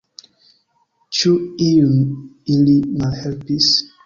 Ĉu iun ili malhelpis?